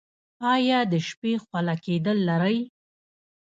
ایا د شپې خوله کیدل لرئ؟